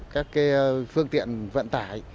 các cái phương tiện vận tải